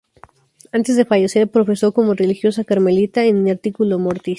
Antes de fallecer, profesó como religiosa carmelita "in articulo mortis".